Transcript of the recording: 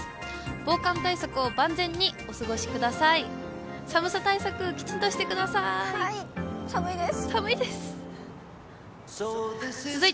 防寒対策を万全にお過ごしください。